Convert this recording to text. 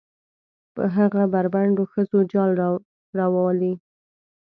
په هغه بربنډو ښځو جال روالي.